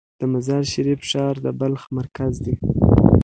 د مزار شریف ښار د بلخ مرکز دی